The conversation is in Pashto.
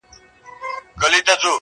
خپل اولاد وږي زمري ته په خوله ورکړم!!